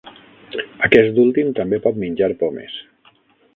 Aquest últim també pot menjar pomes.